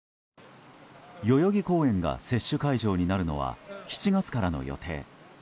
代々木公園が接種会場になるのは７月からの予定。